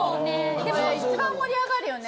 一番盛り上がるよね。